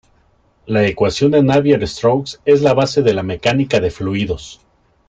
La ecuación de Navier-Stokes es la base de la mecánica de fluidos.